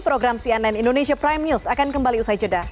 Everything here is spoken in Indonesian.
program cnn indonesia prime news akan kembali usai jeda